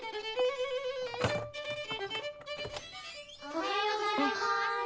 おはようございます。